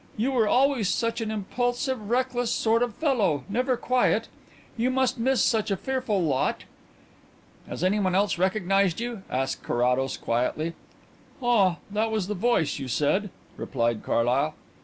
You were always such an impulsive, reckless sort of fellow never quiet. You must miss such a fearful lot." "Has anyone else recognized you?" asked Carrados quietly. "Ah, that was the voice, you said," replied Carlyle.